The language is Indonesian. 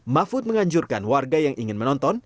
mahfud menganjurkan warga yang ingin menonton